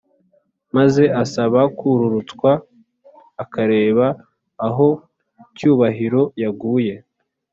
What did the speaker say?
maze asaba kururutswa akareba aho cyubahiro Yaguye.